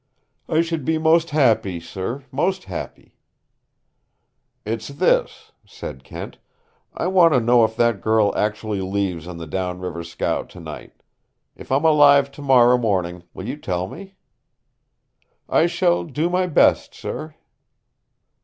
"I should be most happy, sir, most happy." "It's this," said Kent. "I want to know if that girl actually leaves on the down river scow tonight. If I'm alive tomorrow morning, will you tell me?" "I shall do my best, sir."